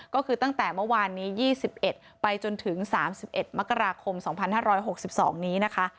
ก็คือตั้งแต่เมื่อวานนี้๒๑ไปจนถึง๓๑มกราคม๒๕๖๒นี้นะคะ